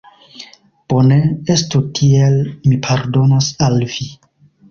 Bone, estu tiel, mi pardonas al vi.